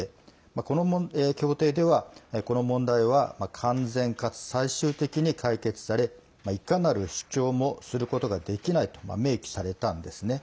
この協定では、この問題は完全かつ最終的に解決されいかなる主張もすることができないと明記されたんですね。